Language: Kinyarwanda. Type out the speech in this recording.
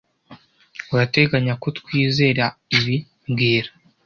Urateganya ko twizera ibi mbwira